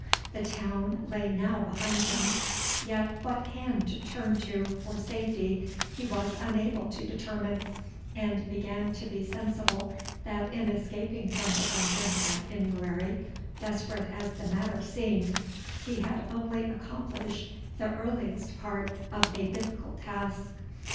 The town lay now behind him, yet what hand to turn to for safety he was unable to determine, and began to be sensible, that in escaping from the dungeon at Inverary, desperate as the matter seemed, he had only accomplished the easiest part of a difficult task.